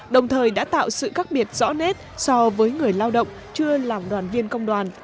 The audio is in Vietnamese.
đồng thời đã tạo sự khác biệt rõ nét so với người lao động chưa làm đoàn viên công đoàn